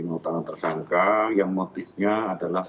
lima orang tersangka yang motifnya adalah